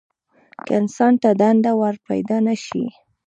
که انسان ته دنده ورپیدا نه شي.